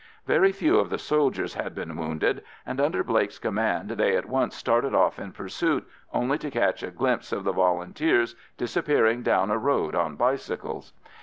Very few of the soldiers had been wounded, and under Blake's command they at once started off in pursuit, only to catch a glimpse of the Volunteers disappearing down a road on bicycles.